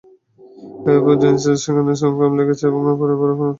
এরপর জিনসের যেখানে চুইংগাম লেগেছে, তার ওপরে বরফের টুকরো ঘষতে থাকুন।